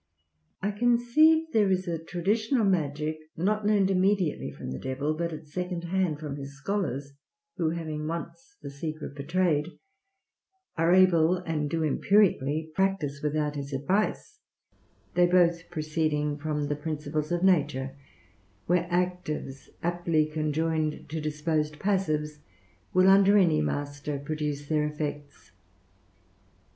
I conceive there is a traditional magic not learned immediately from the Devil, but at second hand from his scholars, who, having once the secret betrayed, are able, and do empirically practice without his advice, they both proceeding upon the principles of nature; where actives aptly conjoined to disposed passives will under any master produce their effects.